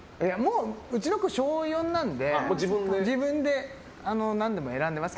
うちの子、小４なんで自分で何でも選んでます。